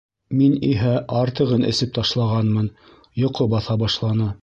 Мин иһә артығын эсеп ташлағанмын, йоҡо баҫа башланы.